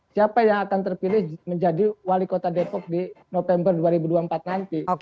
siapa yang akan terpilih menjadi wali kota depok di november dua ribu dua puluh empat nanti